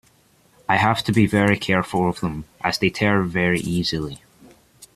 I have to be careful of them, as they tear very easily.